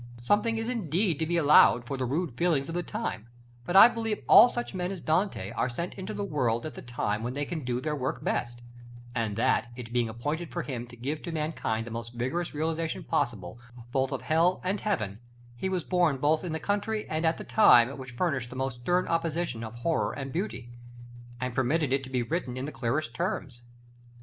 Something is indeed to be allowed for the rude feelings of the time, but I believe all such men as Dante are sent into the world at the time when they can do their work best; and that, it being appointed for him to give to mankind the most vigorous realization possible both of Hell and Heaven, he was born both in the country and at the time which furnished the most stern opposition of Horror and Beauty, and permitted it to be written in the clearest terms.